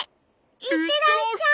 いってらっしゃい！